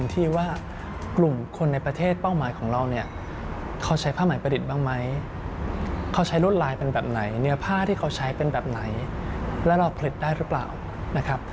ถ้าที่เขาใช้เป็นแบบไหนและเราผลิตได้หรือเปล่า